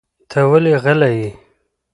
ته ولې غلی یې؟